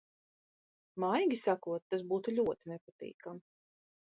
Maigi sakot, tas būtu ļoti nepatīkami.